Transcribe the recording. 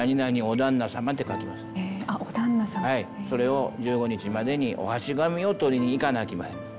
それを１５日までにお箸紙を取りに行かなあきまへん。